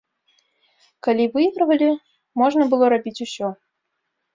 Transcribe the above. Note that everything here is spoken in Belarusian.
Калі выйгравалі, можна было рабіць усё.